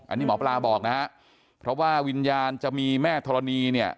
อันนี้หมอปลาบอกนะฮะเพราะว่าวิญญาณจะมีแม่ธรณีเนี่ย